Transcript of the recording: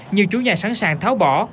nhiều chủ nhà sẵn sàng tháo bỏ